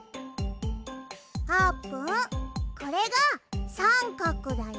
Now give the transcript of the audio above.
あーぷんこれがサンカクだよ。